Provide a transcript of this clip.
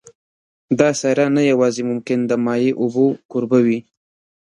دا سیاره نه یوازې ممکن د مایع اوبو کوربه وي